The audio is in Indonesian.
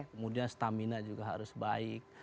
kemudian stamina juga harus baik